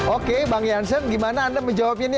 oke bang jansen gimana anda menjawab ini